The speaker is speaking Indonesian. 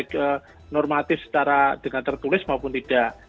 baik normatif secara dengan tertulis maupun tidak